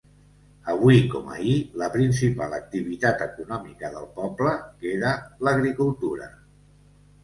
Avui com ahir, la principal activitat econòmica del poble queda l'agricultura.